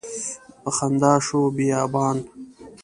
په خندا شو بیابان